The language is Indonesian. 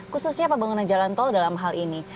khususnya pembangunan jalan tol dalam hal ini